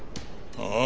ああ？